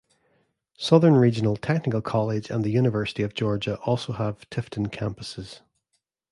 Southern Regional Technical College and the University of Georgia also have Tifton campuses.